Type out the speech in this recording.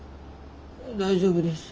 大丈夫です。